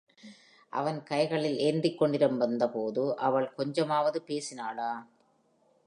அவன் கைகளில் ஏந்திக்கொண்டிருந்தபோது, அவள் கொஞ்சமாவது பேசினாளா?